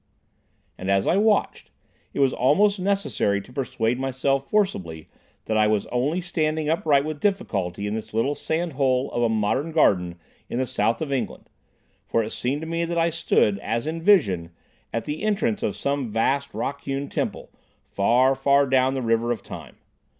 And, as I watched, it was almost necessary to persuade myself forcibly that I was only standing upright with difficulty in this little sand hole of a modern garden in the south of England, for it seemed to me that I stood, as in vision, at the entrance of some vast rock hewn Temple far, far down the river of Time.